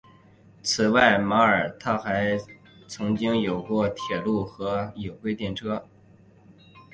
此外马尔他还曾经有过铁路和有轨电车。